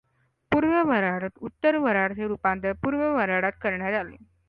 पूर्व वऱ्हाड उत्तर वऱ्हाडचे रूपांतर पूर्व वऱ्हाडात करण्यात आले.